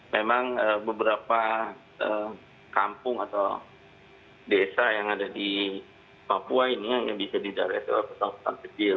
memang beberapa kampung atau desa yang ada di papua ini yang bisa di daerah pesawat kecil